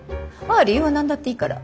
ああ理由は何だっていいから。